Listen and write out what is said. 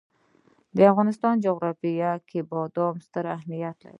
د افغانستان جغرافیه کې بادام ستر اهمیت لري.